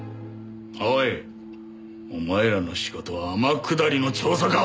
おいお前らの仕事は天下りの調査か！